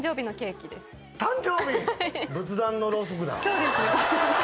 そうです。